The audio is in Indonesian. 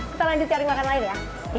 kita lanjut cari makan lain ya